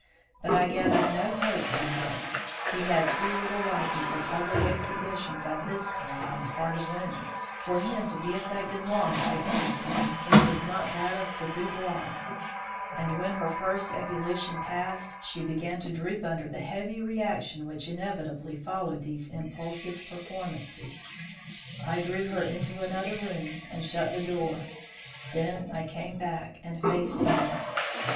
But I gathered no hope from this. He had too little liking for public exhibitions of this kind on the part of women, for him to be affected long by any singing which was not that of the boudoir; and when, her first ebullition passed, she began to droop under the heavy reaction which inevitably followed these impulsive performances, I drew her into the other room, and shut the door. Then I came back and faced him.